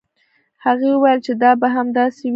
هغې وویل چې دا به هم داسې وي.